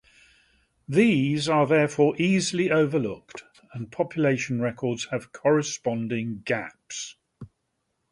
These are therefore easily overlooked, and population records have corresponding gaps.